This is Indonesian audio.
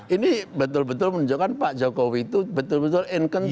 ini betul betul menunjukkan pak jokowi itu betul betul income